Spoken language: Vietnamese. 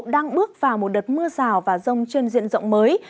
đang bước vào một đợt mưa rào và rông trên diện rộng mới